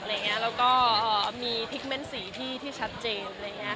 แล้วก็มีพิกเม้นสีที่ชัดเจน